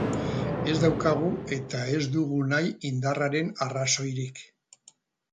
Ez daukagu eta ez dugu nahi indarraren arrazoirik.